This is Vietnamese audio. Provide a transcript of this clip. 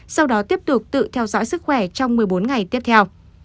sau đó tiếp tục tự theo dõi sức khỏe trong một mươi bốn ngày tiếp theo